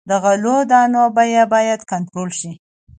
د غلو دانو بیه باید کنټرول شي.